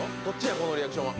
このリアクションは。